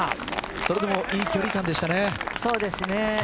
それでもいい距離感でしたね。